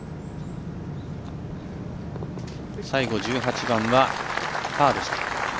最後、１８番はパーでした。